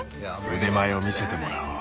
腕前を見せてもらおう。